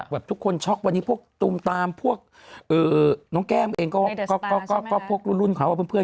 ทุกคนช็อกวันนี้พวกตูมตามพวกน้องแก้มเองก็พวกรุ่นเขากับเพื่อน